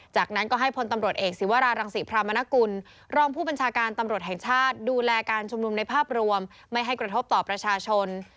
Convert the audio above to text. จากนั้นก็ให้พลตำรวจเอกศิวรารังศิพรามนกุลรองผู้บัญชาการตำรวจแห่งชาติดูแลการชุมนุมในภาพรวมไม่ให้กระทบต่อประชาชน